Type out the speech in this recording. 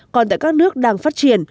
còn tại các nước đang phát triển